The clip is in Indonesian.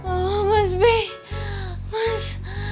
oh mas ben mas